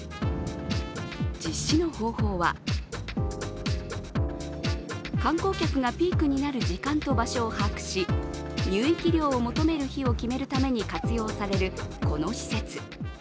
実施の方法は、観光客がピークになる時間と場所を把握し入域料を求める日を決めるために活用されるこの施設。